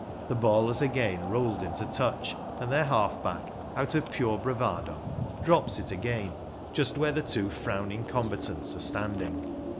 The ball has again rolled into touch, and their half back, out of pure bravado, drops it again just where the two frowning combatants are standing.